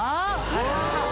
あら。